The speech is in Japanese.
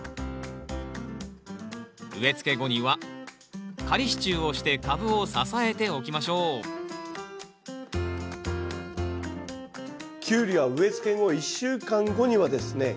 植えつけ後には仮支柱をして株を支えておきましょうキュウリは植えつけ後１週間後にはですね